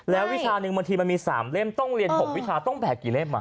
แล้ววิชาหนึ่งบางทีมันมี๓เล่มต้องเรียน๖วิชาต้องแบกกี่เล่ม